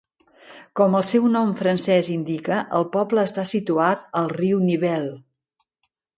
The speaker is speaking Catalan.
Com el seu nom francès indica, el poble està situat al riu Nivelle.